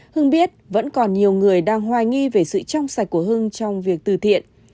hưng biết vẫn còn nhiều người đang hoài nghi về sự trong sạch của hưng trong việc từ thiện